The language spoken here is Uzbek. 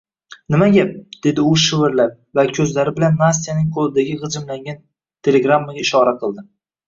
Nima gap? – dedi u shivirlab va koʻzlari bilan Nastyaning qoʻlidagi gʻijimlangan telegrammaga ishora qildi.